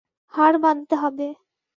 হার মানতে হবে।